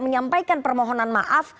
menyampaikan permohonan maaf